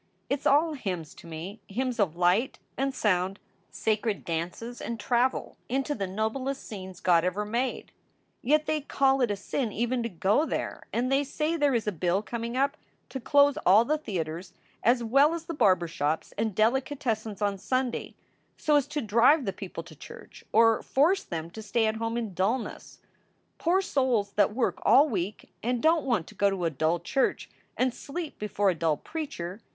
It s all hymns to me hymns of light and sound, sacred dances and travel into the noblest scenes God ever made. SOULS FOR SALE 385 " Yet they call it a sin even to go there, and they say there is a bill coming up to close all the theaters as well as the barber shops and delicatessens on Sunday, so as to drive the people to church or force them to stay at home in dullness poor souls that work all week and don t want to go to a dull church and sleep before a dull preacher.